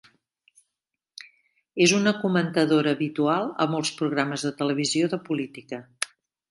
És una comentadora habitual a molts programes de televisió de política.